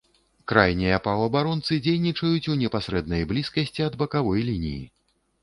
Крайнія паўабаронцы дзейнічаюць у непасрэднай блізкасці ад бакавой лініі.